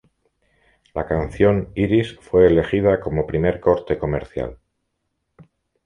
La canción "Iris" fue elegida como primer corte comercial.